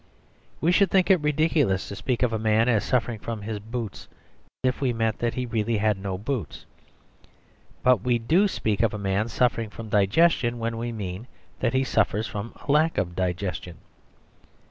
We should think it ridiculous to speak of a man as suffering from his boots if we meant that he had really no boots. But we do speak of a man suffering from digestion when we mean that he suffers from a lack of digestion.